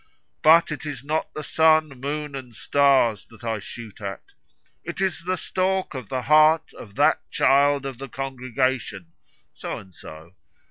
But it is not the sun, moon, and stars that I shoot at, It is the stalk of the heart of that child of the congregation, So and so.